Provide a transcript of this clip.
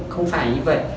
không phải như vậy